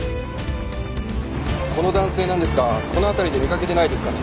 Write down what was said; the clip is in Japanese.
この男性なんですがこの辺りで見かけてないですかね？